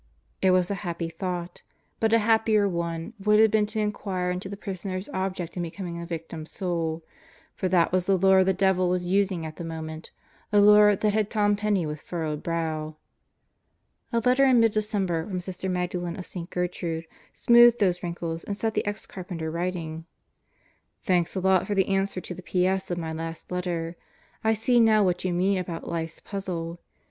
It was a happy thought. But a happier one would have been to inquire into the prisoner's object in becoming a Victim Soul; for that was the lure the devil was using at the moment a lure that had Tom Penney with furrowed brow. A letter in mid December from Sister Magdalen of St. Gertrude smoothed those wrinkles and set the ex carpenter writing: Thanks a lot for the answer to the P.S. of my last letter. I see now what you mean about life's puzzle.